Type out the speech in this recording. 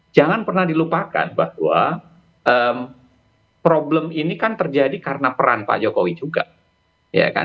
jangan pernah dilupakan bahwa problem ini kan terjadi karena peran pak jokowi juga